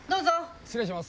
失礼します。